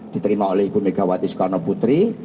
diterima oleh ibu megawati soekarno putri